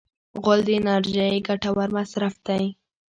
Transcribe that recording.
غول د انرژۍ ګټور مصرف دی.